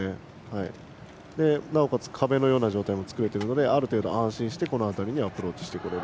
なおかつ壁のような状態も作れているのである程度安心してこの辺りにアプローチしてこれる。